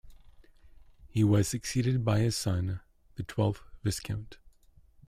He was succeeded by his son, the twelfth Viscount.